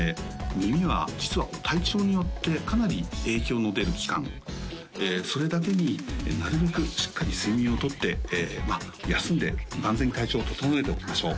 耳は実は体調によってかなり影響の出る器官それだけになるべくしっかり睡眠をとって休んで万全に体調を整えておきましょう